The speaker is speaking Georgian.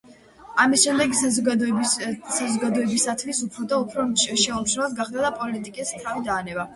ამის შემდეგ ის საზოგადოებისათვის უფრო და უფრო შეუმჩნეველი გახდა და პოლიტიკას თავი დაანება.